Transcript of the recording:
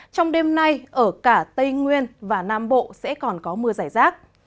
trong đêm nay ở cả tây nguyên và nam bộ sẽ còn có mưa giải rác